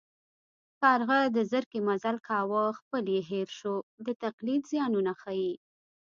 کارغه د زرکې مزل کاوه خپل یې هېر شو د تقلید زیانونه ښيي